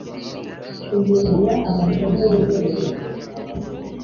Ingingo ya Amasomo yemerewe